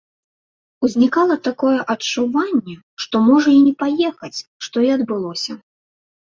Узнікала такое адчуванне, што можа і не паехаць, што і адбылося.